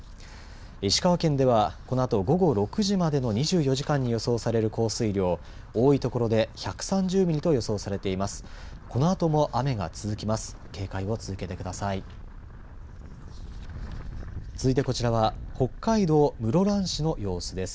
石川県では、このあと午後６時までの２４時間に予想される降水量多い所で１３０ミリと予想されています。